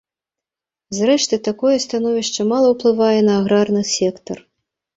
Зрэшты, такое становішча мала ўплывае на аграрны сектар.